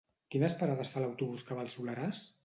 Quines parades fa l'autobús que va al Soleràs?